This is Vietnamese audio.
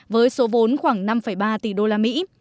với số vốn khoảng năm ba tỷ usd